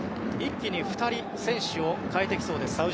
一気に２人、選手を代えてきそうです